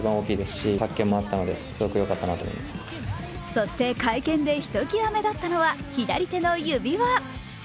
そして、会見でひときわ目立ったのは左手の指輪。